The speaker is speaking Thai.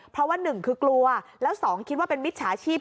เพราะว่าหนึ่งคือกลัวแล้วสองคิดว่าเป็นมิจฉาชีพ